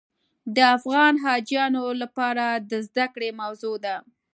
د افغان حاجیانو لپاره د زده کړې موضوع ده.